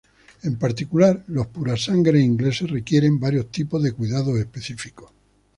En particular, los Purasangre ingleses requieren varios tipos de cuidados específicos.